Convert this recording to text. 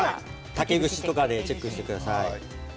竹串とかでチェックしてください。